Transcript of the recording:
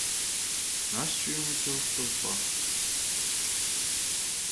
Нащо йому цього стовпа.